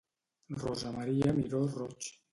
Rosa Maria Miró Roig.